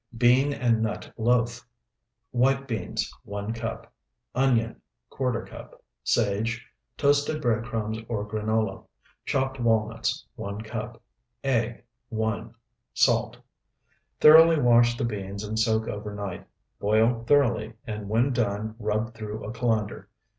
BEAN AND NUT LOAF White beans, 1 cup. Onion, ¼ cup. Sage. Toasted bread crumbs or granola. Chopped walnuts, 1 cup. Egg, 1. Salt. Thoroughly wash the beans and soak overnight. Boil thoroughly, and when done rub through a colander.